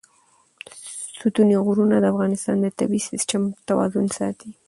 ستوني غرونه د افغانستان د طبعي سیسټم توازن ساتي.